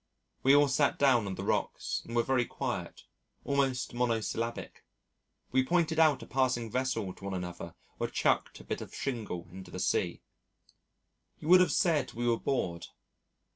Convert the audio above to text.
We all sat down on the rocks and were very quiet, almost monosyllabic. We pointed out a passing vessel to one another or chucked a bit of shingle into the sea. You would have said we were bored.